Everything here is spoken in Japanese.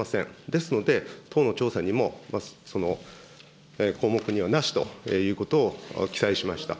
ですので、党の調査にも項目にはなしということを記載しました。